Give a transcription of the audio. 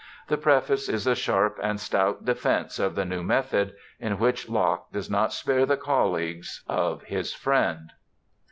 The preface is a sharp and stout defence of the new method, in which Locke does not spare the colleagues of his friend.